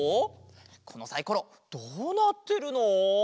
このサイコロどうなってるの？